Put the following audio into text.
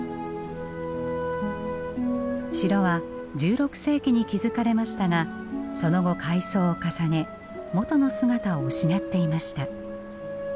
城は１６世紀に築かれましたがその後改装を重ね元の姿を失っていました。